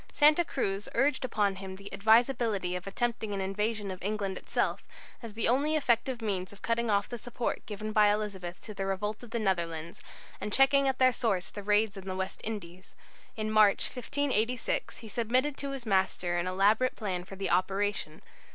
Santa Cruz urged upon him the advisability of attempting an invasion of England itself, as the only effective means of cutting off the support given by Elizabeth to the revolt of the Netherlands, and checking at their source the raids on the West Indies. In March, 1586, he submitted to his master an elaborate plan for the operation.